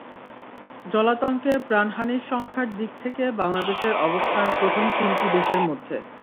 জলাতঙ্কে প্রাণহানির সংখ্যার দিক থেকে বাংলাদেশের অবস্থান প্রথম তিনটি দেশের মধ্যে।